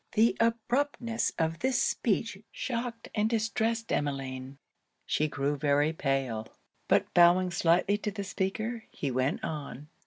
The abruptness of this speech shocked and distressed Emmeline. She grew very pale; but bowing slightly to the speaker, he went on.